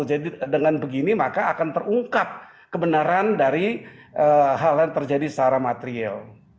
jadi dengan begini maka akan terungkap kebenaran dari hal yang terjadi secara material